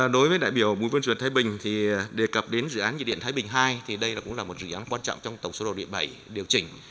đối với đại biểu bộ công thương thái bình thì đề cập đến dự án nhà máy điện thái bình hai thì đây cũng là một dự án quan trọng trong tổng số đầu điện bảy điều chỉnh